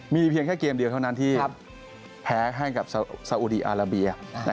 มีเพียงแค่เกมเดียวเท่านั้นที่แพ้ให้กับซาอุดีอาราเบีย